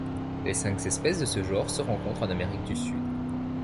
Les cinq espèces de ce genre se rencontrent en Amérique du Sud.